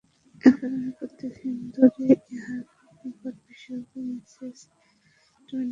এ কারণে প্রত্যেক হিন্দুই ইহার নিকট, বিশেষত মিসেস বেস্যাণ্টের নিকট কৃতজ্ঞতাপাশে আবদ্ধ।